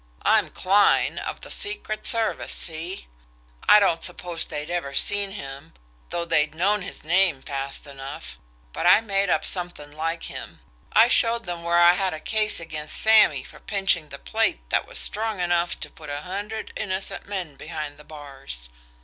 I'm Kline, of the secret service see? I don't suppose they'd ever seen him, though they'd know his name fast enough, but I made up something like him. I showed them where I had a case against Sammy for pinching the plate that was strong enough to put a hundred innocent men behind the bars.